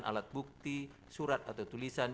alat bukti surat atau tulisan